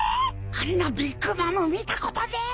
あんなビッグ・マム見たことねぇ！